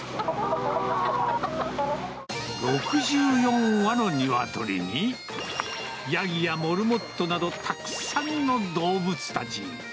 ６４羽のニワトリに、ヤギやモルモットなど、たくさんの動物たち。